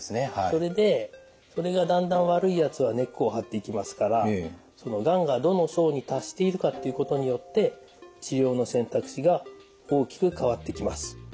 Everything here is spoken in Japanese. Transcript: それでそれがだんだん悪いやつは根っこを張っていきますからそのがんがどの層に達しているかっていうことによって治療の選択肢が大きく変わってきます。